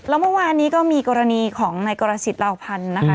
แล้วเมื่อวานนี้ก็มีกรณีของนายกรสิทธลาวพันธ์นะคะ